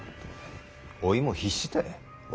おいも必死たい。